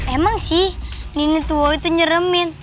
emang sih nenek tua itu nyeremin